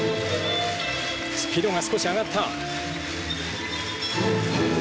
スピードが少し上がった。